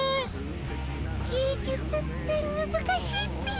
芸術ってむずかしいっピ。